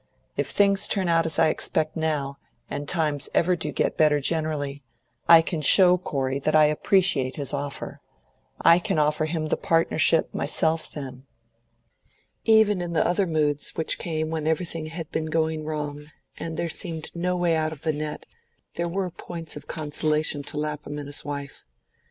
If things turn out as I expect now, and times ever do get any better generally, I can show Corey that I appreciate his offer. I can offer him the partnership myself then." Even in the other moods, which came when everything had been going wrong, and there seemed no way out of the net, there were points of consolation to Lapham and his wife.